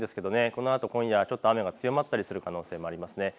このあと今夜ちょっと雨が強まったりする可能性もあります。